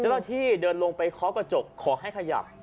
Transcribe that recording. เจ้าหน้าที่เดินลงไปเคาะกระจกขอให้ขยับ